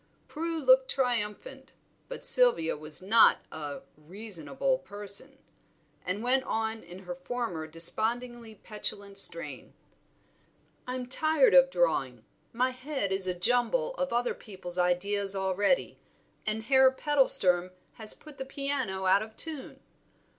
Prue looked triumphant, but Sylvia was not a "reasonable person," and went on in her former despondingly petulant strain. "I'm tired of drawing; my head is a jumble of other people's ideas already, and Herr Pedalsturm has put the piano out of tune.